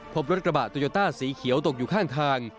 พบรถกระบะโตโยต้าสีเขียวตกอยู่ข้างทาง